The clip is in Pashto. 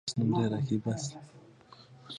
پښتو زموږ ملي او تاریخي ژبه ده.